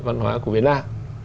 văn hóa của việt nam